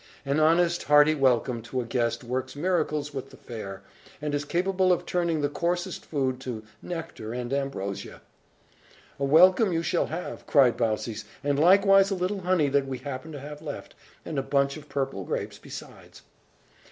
"An honest, hearty welcome to a guest works miracles with the fare, and is capable of turning the coarsest food to nectar and ambrosia." "A welcome you shall have," cried Baucis, "and likewise a little honey that we happen to have left, and a bunch of purple grapes besides."